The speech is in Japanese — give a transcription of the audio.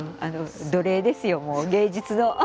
あの奴隷ですよ芸術の。